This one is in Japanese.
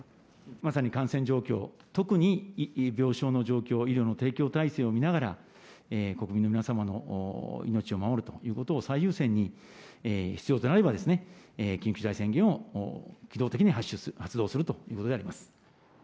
まさに感染状況、特に病床の状況、医療の提供体制を見ながら、国民の皆様の命を守るということを最優先に、必要となれば、緊急事態宣言を機動的に発出、発動するということであります。